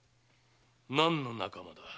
何の仲間だ？